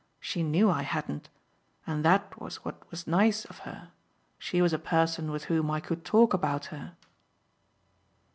She knew I hadn't and that was what was nice of her. She was a person with whom I could talk about her."